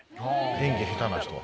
演技下手な人は。